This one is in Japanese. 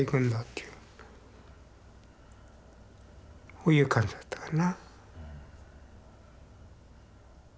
そういう感じだったからな。